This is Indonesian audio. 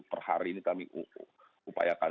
per hari ini kami upayakan